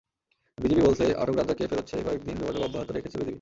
BGB বলছে, আটক রাজ্জাককে ফেরত চেয়ে কয়েক দিন যোগাযোগ অব্যাহত রেখেছে বিজিবি।